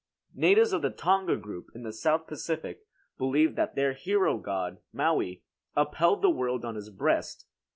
Natives of the Tonga group, in the South Pacific, believed that their hero god, Maui, upheld the world on his breast.